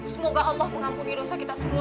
semoga allah mengampuni dosa kita semua